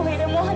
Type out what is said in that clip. ibu ida mohon